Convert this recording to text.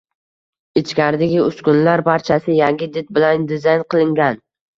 Ichkaridagi uskunalar barchasi yangi, did bilan dizayn qilingan.